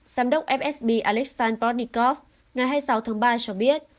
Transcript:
giám đốc fsb aleksandr protnikov ngày hai mươi sáu tháng ba cho biết